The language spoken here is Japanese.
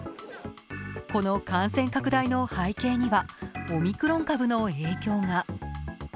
この感染拡大の背景にはオミクロン株の影響が。